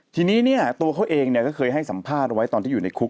ทีนี้เนี่ยตัวเขาเองก็เคยให้สัมภาษณ์เอาไว้ตอนที่อยู่ในคุก